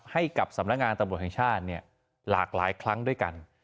ให้กับสำนักงานตำรวจแห่งชาติหลากหลายครั้งด้วยกัน